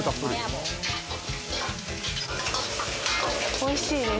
おいしいです。